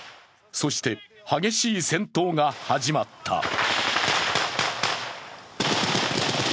そして、激しい戦闘が始まった。